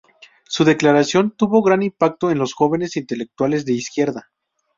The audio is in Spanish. Su declaración tuvo gran impacto en los jóvenes intelectuales de izquierda.